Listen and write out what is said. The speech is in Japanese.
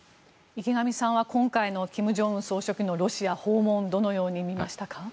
池上さんは今回の金正恩総書記のロシア訪問どのように見ましたか。